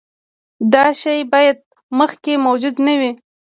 دا شی باید مخکې موجود نه وي.